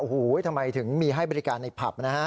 โอ้โหทำไมถึงมีให้บริการในผับนะฮะ